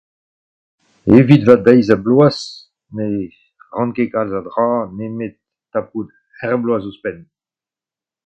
Evit va deiz-ha-bloaz ne ran ket kalz a dra nemet tapout ur bloaz ouzhpenn.